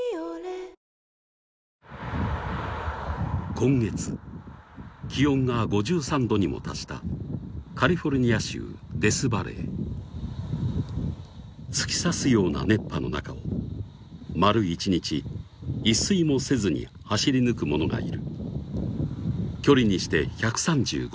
今月気温が５３度にも達したカリフォルニア州デスバレー突き刺すような熱波の中を丸一日一睡もせずに走り抜く者がいる距離にして１３５